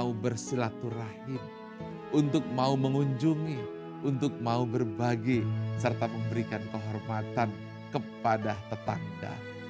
mau bersilaturahim untuk mau mengunjungi untuk mau berbagi serta memberikan kehormatan kepada tetangga